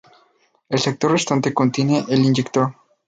El sector restante contiene el inyector.